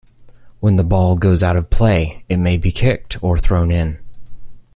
When the ball goes out of play, it may be kicked or thrown in.